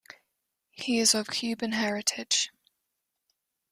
He is of Cuban heritage.